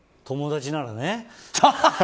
友達ならね。